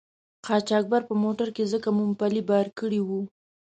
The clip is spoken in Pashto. قاچاقبر په موټر کې ځکه مومپلي بار کړي وو.